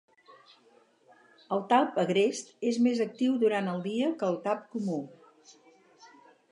El talp agrest és més actiu durant el dia que el talp comú.